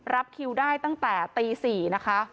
รับคิวได้ตั้งแต่ตี๔นะคะ